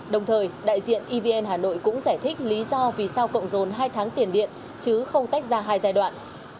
đồng thời đại diện evn hà nội cũng giải thích lý do vì sao cộng dồn hai tháng tiền điện chứ không tách ra hai giai đoạn